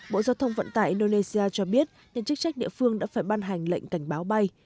bộ giao thông vận tải indonesia cho biết nhân chức trách địa phương đã phải ban hành lệnh cảnh báo bay